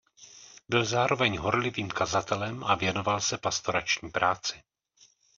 Byl zároveň horlivým kazatelem a věnoval se pastorační práci.